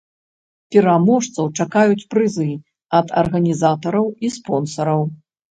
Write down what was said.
Пераможцаў чакаюць прызы ад арганізатараў і спонсараў.